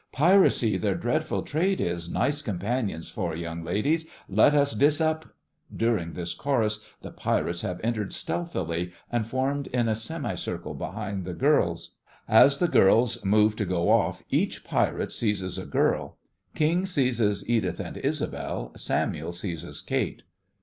Piracy their dreadful trade is— Nice companions for young ladies! Let us disap—. (During this chorus the PIRATES have entered stealthily, and formed in a semicircle behind the GIRLS. As the GIRLS move to go off, each PIRATE seizes a GIRL. KING seizes EDITH and ISABEL, SAMUEL seizes KATE.)